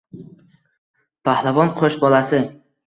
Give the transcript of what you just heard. Pahlavon qo‘sh bolasi.